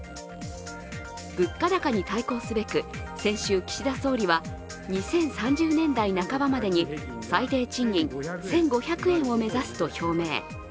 物価高に対抗すべく、先週、岸田総理は２０３０年代半ばまでに最低賃金１５００円を目指すと表明。